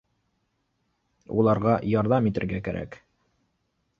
Уларға ярҙам итергә кәрәк